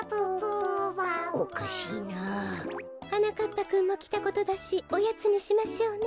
ぱくんもきたことだしおやつにしましょうね。